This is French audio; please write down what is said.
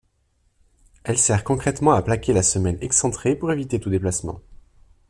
Elle sert concrètement à plaquer la semelle excentrée pour éviter tout déplacement.